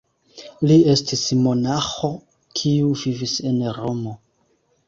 Li estis monaĥo kiu vivis en Romo.